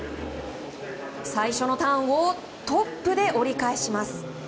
最初のターンをトップで折り返します。